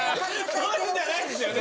そういうんじゃないんですよね！